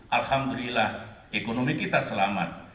alhamdulillah ekonomi kita selamat